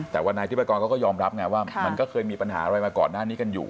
แต่ว่านายทิพกรเขาก็ยอมรับไงว่ามันก็เคยมีปัญหาอะไรมาก่อนหน้านี้กันอยู่